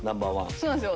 そうなんですよ。